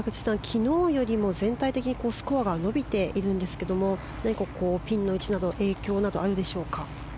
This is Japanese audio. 昨日よりも全体的にスコアが伸びているんですけれど何かピンの位置など影響などあるでしょうか。